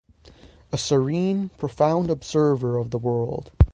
A serene, profound observer of the world.